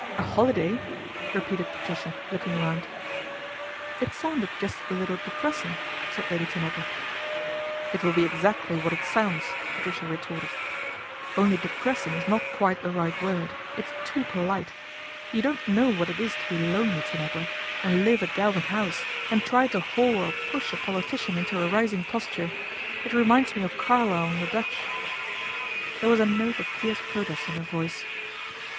" A holiday !" repeated Patricia, looking round. " It sounded just a little depressing," said Lady Tanagra. " It will be exactly what it sounds," Patricia retorted ;" only depressing is not quite the right word, it's too polite. You don't know what it is to be lonely, Tanagra, and live at Galvin House, and try to haul or push a politician into a rising GALVIN HOUSE AFTER THE RAID 279 posture. It reminds me of Carlyle on the Dutch." There was a note of fierce protest in her voice.